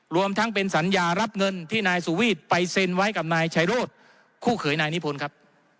รวมทั้งเป็นสัญญารับเงินที่นายสุวีทไปเซ็นไว้กับนายชายโรธคู่เขยนายนิพนธ์ครับ